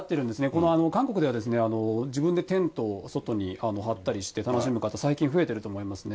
この韓国では、自分でテントを外に張ったりして楽しむ方、最近増えてると思いますね。